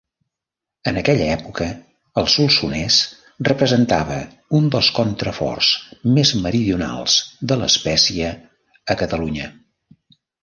En aquella època, el Solsonès representava un dels contraforts més meridionals de l'espècie a Catalunya.